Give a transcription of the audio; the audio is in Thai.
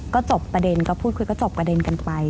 ก็จบประเด็นก็พูดคุยก็จบประเด็นกันไป